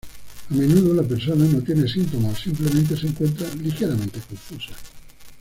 A menudo la persona no tiene síntomas, o simplemente se encuentra ligeramente confusa.